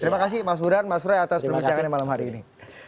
terima kasih mas buran mas roy atas perbincangannya malam hari ini